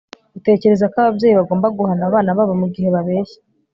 Utekereza ko ababyeyi bagomba guhana abana babo mugihe babeshya